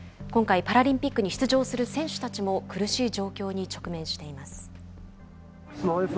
今回、パラリンピックに出場する選手たちも苦しい状況に直面しています。